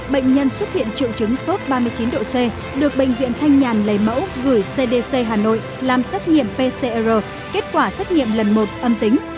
bệnh nhân xuất hiện triệu chứng sốt ba mươi chín độ c được bệnh viện thanh nhàn lấy mẫu gửi cdc hà nội làm xét nghiệm pcr kết quả xét nghiệm lần một âm tính